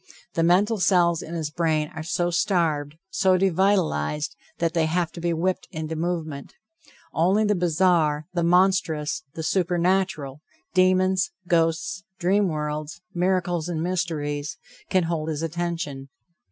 The mental cells in his brain are so starved, so devitalized, that they have to be whipped into movement. Only the bizarre, the monstrous, the supernatural, demons, ghosts, dream worlds, miracles and mysteries, can hold his attention.